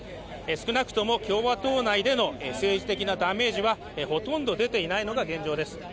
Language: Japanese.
少なくとも共和党内での政治的なダメージはほとんど出ていないのが現状です。